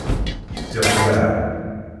Yeqleɛ.